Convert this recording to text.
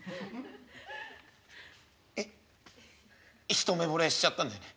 「一目ぼれしちゃったんだよね。